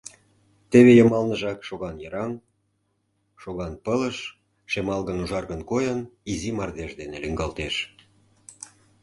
Теве йымалныжак шоган йыраҥ, шоган пылыш, шемалгын-ужаргын койын, изи мардеж дене лӱҥгалтеш.